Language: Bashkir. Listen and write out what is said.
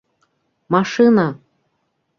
Машина!